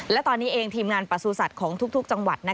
และตอนนี้เองทีมงานประสูจัตว์ของทุกจังหวัด